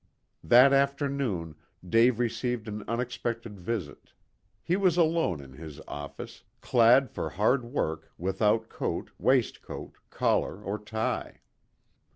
That afternoon Dave received an unexpected visit. He was alone in his office, clad for hard work, without coat, waistcoat, collar or tie.